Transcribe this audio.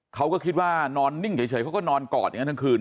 เขาก็คิดว่านอนนิ่งเฉยเขาก็นอนกอดอย่างนั้นทั้งคืน